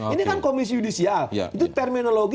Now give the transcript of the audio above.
ini kan komisi yudisial itu terminologi